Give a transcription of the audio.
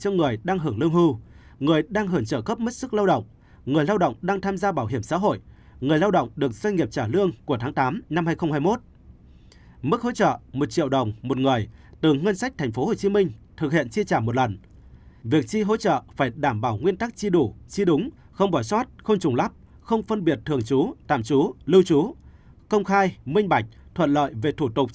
bảy người đang hưởng lương hưu người đang hưởng trợ cấp mất sức lao động người lao động đang tham gia bảo hiểm xã hội người lao động được doanh nghiệp trả lương của tháng tám năm hai nghìn hai mươi một có hoàn cảnh thật sự khó khăn đang có mặt trên địa bàn xã hội trong thời gian thành phố thực hiện giãn cách và có mặt trên địa bàn